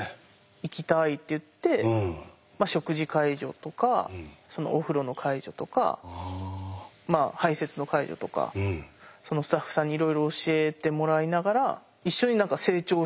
行きたいって言って食事介助とかお風呂の介助とか排せつの介助とかスタッフさんにいろいろ教えてもらいながら一緒に何か成長していくみたいな感じでしたね